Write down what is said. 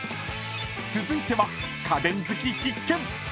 ［続いては家電好き必見］